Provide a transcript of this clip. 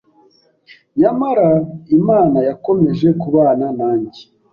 Nyamara Imana yakomeje kubana nanjye!